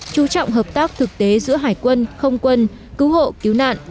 chú trọng hợp tác thực tế giữa hải quân không quân cứu hộ cứu nạn